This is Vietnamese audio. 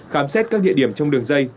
khám xét các địa điểm trong đường dây